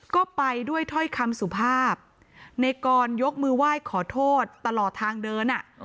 ก็ไปด้วยถ้อยคำสุภาพในกรยกมือไหว้ขอโทษตลอดทางเดิน